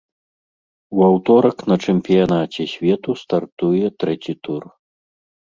У аўторак на чэмпіянаце свету стартуе трэці тур.